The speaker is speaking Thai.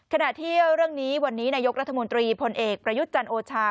ขณะที่เรื่องนี้วันนี้นายกรัฐมนตรีพลเอกประยุทธ์จันทร์โอชา